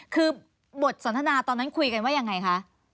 คือบทสนทนาตอนนั้นคุยกันว่ายังไงคะ